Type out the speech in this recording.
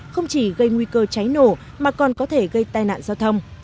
không chỉ gây nguy cơ cháy nổ mà còn có thể gây tai nạn giao thông